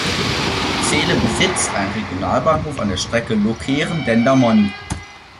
Zele besitzt einen Regionalbahnhof an der Strecke Lokeren-Dendermonde.